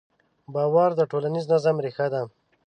باور د ټولنیز نظم ریښه ده.